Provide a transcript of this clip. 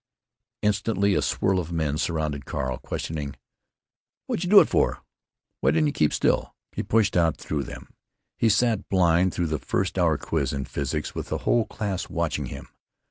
Instantly a swirl of men surrounded Carl, questioning: "What j' do it for? Why didn't you keep still?" He pushed out through them. He sat blind through the first hour quiz in physics, with the whole class watching him.